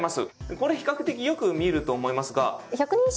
これ比較的よく見ると思いますが。